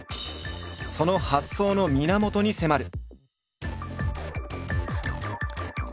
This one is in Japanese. その発想の源に迫る！